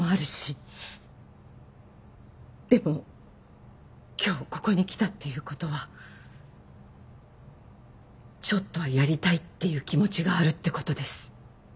でも今日ここに来たっていうことはちょっとはやりたいっていう気持ちがあるってことです。